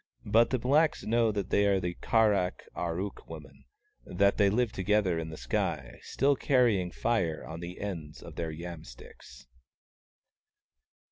But the blacks know that they are the Kar ak ar ook women, and that they live together in the sky, still carrying Fire on the ends of their yam sticks.